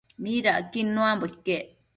midacquid nuambo iquec?